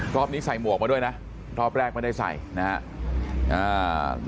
รอบนี้ใส่หมวกมาด้วยนะรอบแรกไม่ได้ใส่นะครับ